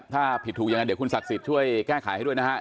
ถ้าผิดถูกอย่างนั้นเดี๋ยวคุณศักดิ์สิทธิ์ช่วยแก้ไขให้ด้วยนะฮะ